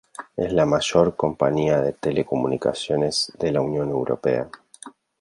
Es la mayor compañía de telecomunicaciones de la Unión Europea.